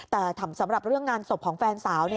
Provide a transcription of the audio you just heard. แต่สำหรับเรื่องงานศพของแฟนสาว